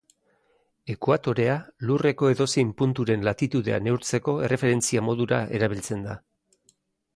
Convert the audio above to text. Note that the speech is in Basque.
Ekuatorea lurreko edozein punturen Latitudea neurtzeko erreferentzia modura erabiltzen da.